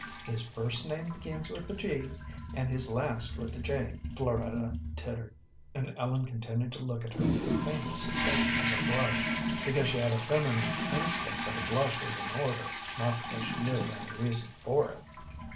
"His first name begins with a G and his last with a J," Floretta tittered, and Ellen continued to look at her with the faintest suspicion of a blush, because she had a feminine instinct that a blush was in order, not because she knew of any reason for it.